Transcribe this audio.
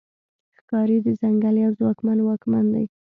ښکاري د ځنګل یو ځواکمن واکمن دی.